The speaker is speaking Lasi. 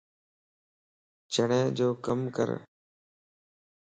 چھڻين جو ڪم ڪر